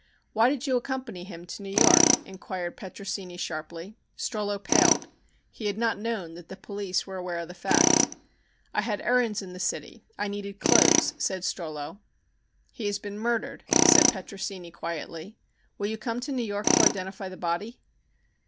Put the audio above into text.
"Why did you accompany him to New York?" inquired Petrosini sharply. Strollo paled. He had not known that the police were aware of the fact. "I had errands in the city. I needed clothes," said Strollo. "He has been murdered," said Petrosini quietly. "Will you come to New York to identify the body?"